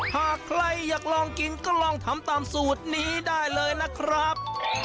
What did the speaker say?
หากใครอยากลองกินก็ลองทำตามสูตรนี้ได้เลยนะครับ